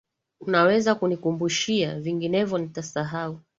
Unaweza kunikumbushia? Vinginevyo nitasahau.